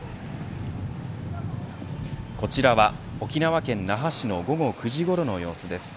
こちらは沖縄県那覇市の午後９時ごろの様子です。